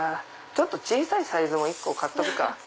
小さいサイズも１個買っとくか。